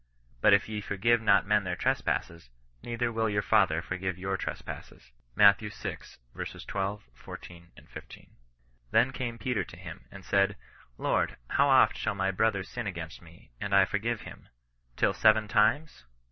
But if ye for give not men their trespasses, neither will your Father forgive your trespasses. Matt. vi. 12, 14, 15. " Then came Peter to him, and said, Lord, how oft shall my brother sin against me, and I forgive him ? Till seven times